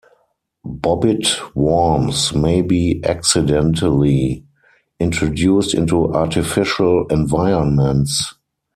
Bobbit worms may be accidentally introduced into artificial environments.